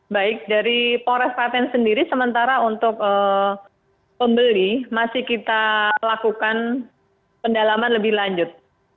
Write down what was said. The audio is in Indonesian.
baik dari polres klaten sendiri sementara untuk pembeli masih kita lakukan pendalaman lebih lanjut